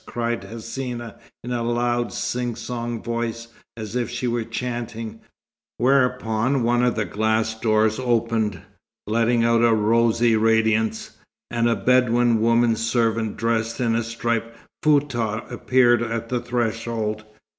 cried Hsina, in a loud, sing song voice, as if she were chanting; whereupon one of the glass doors opened, letting out a rosy radiance, and a Bedouin woman servant dressed in a striped foutah appeared on the threshold.